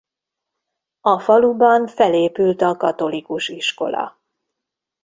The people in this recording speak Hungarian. A faluban felépült a katolikus iskola.